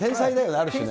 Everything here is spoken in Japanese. ある種ね。